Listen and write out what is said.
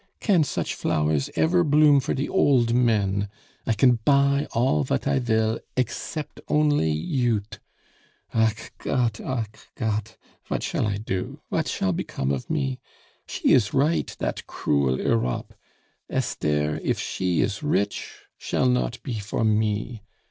Can such flowers ever bloom for de old men! I can buy all vat I vill except only yout! Ach Gott, ach Gott! Vat shall I do! Vat shall become of me! She is right, dat cruel Europe. Esther, if she is rich, shall not be for me.